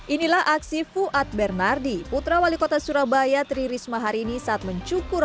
inilah aksi fuad bernardi putra wali kota surabaya tri risma hari ini saat mencukur